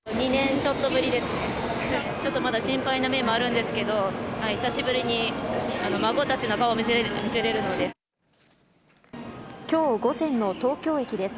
ちょっとまだ心配な面もあるんですけど、久しぶりに孫たちの顔をきょう午前の東京駅です。